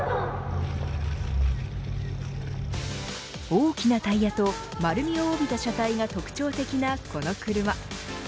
大きなタイヤと丸みを帯びた車体が特徴的なこの車。